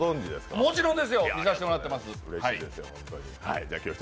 もちろんですよ、見させてもらってます。